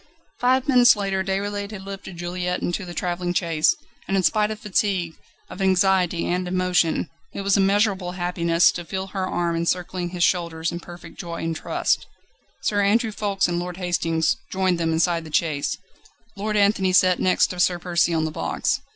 Five minutes later Déroulède had lifted Juliette into the travelling chaise, and in spite of fatigue, of anxiety, and emotion, it was immeasurable happiness to feel her arm encircling his shoulders in perfect joy and trust. Sir Andrew Ffoulkes and Lord Hastings joined them inside the chaise; Lord Anthony sat next to Sir Percy on the box.